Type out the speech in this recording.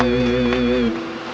wah itu pak